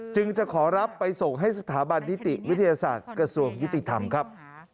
จึงจะขอรับไปส่งให้สถาบันนิติวิทยาศาสตร์กระทรวงยุติธรรมครับ